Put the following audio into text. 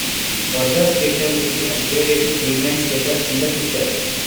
Further stations will be upgraded to premium status in the future.